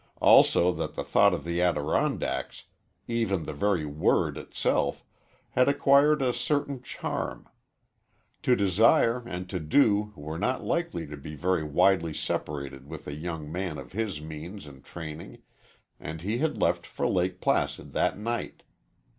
Also that the thought of the Adirondacks, even the very word itself, had acquired a certain charm. To desire and to do were not likely to be very widely separated with a young man of his means and training, and he had left for Lake Placid that night.